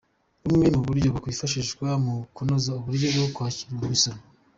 Bumwe mu buryo bwakwifashishwa ni ukunoza uburyo bwo kwakira imisoro.